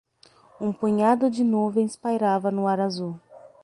Um punhado de nuvens pairava no ar azul.